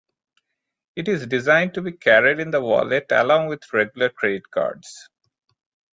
It is designed to be carried in the wallet along with regular credit cards.